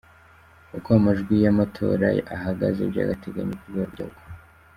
Uko amajwi y'amatora ahagaze by'agateganyo ku rwego rw'igihugu.